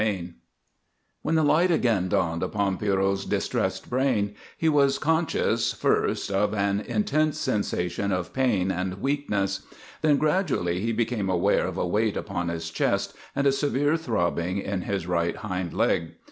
V When the light again dawned upon Pierrot's distressed brain he was conscious, first, of an intense sensation of pain and weakness. Then gradually he became aware of a weight upon his chest and a severe throbbing in his right hind leg.